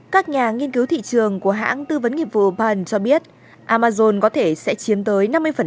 các nhà nghiên cứu thị trường của hãng tư vấn nghiệp vụ pan cho biết amazon có thể sẽ chiếm tới năm mươi